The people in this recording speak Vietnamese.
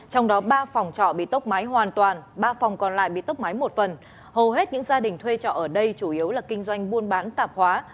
còn lại bị tốc mái một phần hầu hết những gia đình thuê trọ ở đây chủ yếu là kinh doanh buôn bán tạp hóa